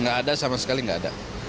nggak ada sama sekali nggak ada